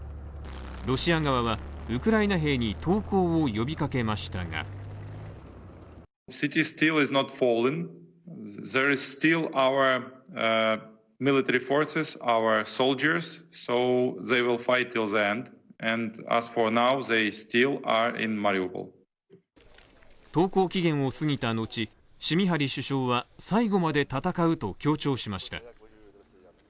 ロシア側はウクライナ兵に投降を呼びかけましたが投降期限を過ぎたのち、シュミハリ首相は最後まで戦うと強調しました。